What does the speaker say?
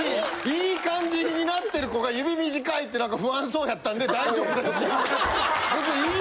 いい感じになってる子が「指短い」ってなんか不安そうやったんで「大丈夫だよ」って言いましたよ。